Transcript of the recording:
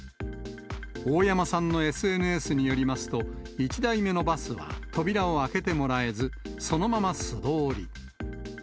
大山さんのＳＮＳによりますと、１台目のバスは、扉を開けてもらえず、そのまま素通り。